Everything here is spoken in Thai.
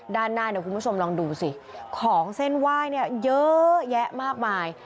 ด้านหน้าเดี๋ยวคุณผู้ชมลองดูสิของเส้นไหว้เนี่ยเยอะแยะมากมาย